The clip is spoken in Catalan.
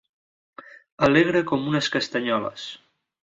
Alegre com unes castanyoles.